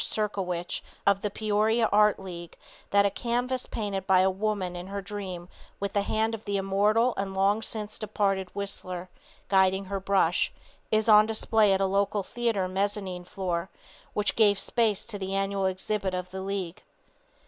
Serkowich of the Peoria Art League that a canvas painted by a woman in her dream with the hand of the immortal and long since departed Whistler guiding her brush, is on display at a local theater mezzanine floor which gave space to the annual exhibit of the League.